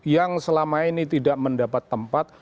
yang selama ini tidak mendapat tempat